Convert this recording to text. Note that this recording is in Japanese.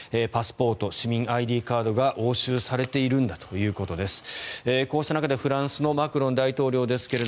パスポート、市民ＩＤカードが押収されているんだということです。